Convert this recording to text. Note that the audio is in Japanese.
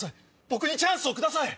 僕にチャンスをください！